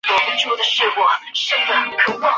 裂萼大乌泡为蔷薇科悬钩子属下的一个变种。